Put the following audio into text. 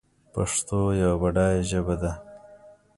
پښتو یوه بډایه ژبه ده.